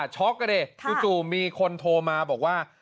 ช็อคกะเดะจู่มีคนโทรมาบอกว่า